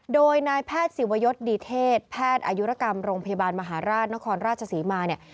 โดยนายแพทย์ศิวยศดีเทศแพทย์อายุรกรรมโรงพยาบาลมหาราชนครราชศรีมาเนี่ย